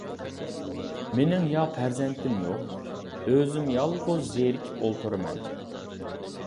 مېنىڭ يا پەرزەنتىم يوق، ئۆزۈم يالغۇز زېرىكىپ ئولتۇرىمەن.